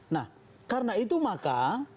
nah karena itu maka